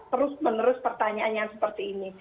terus menerus pertanyaan yang seperti ini